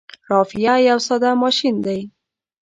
رافعه یو ساده ماشین دی.